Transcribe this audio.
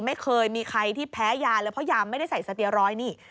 ไม่เคยมีใครที่แพ้ยาเลยเพราะยาไม่ได้ใส่สเตียรอยดนี่